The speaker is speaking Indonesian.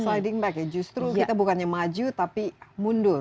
sliding back ya justru kita bukannya maju tapi mundur